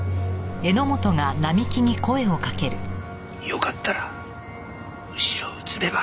よかったら後ろ移れば？